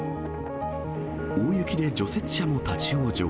大雪で除雪車も立往生。